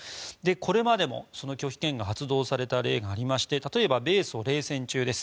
これまでも拒否権が発動された例がありまして例えば、米ソ冷戦中です。